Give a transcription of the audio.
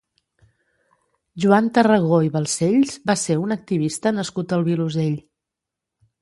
Joan Tarragó i Balcells va ser un activista nascut al Vilosell.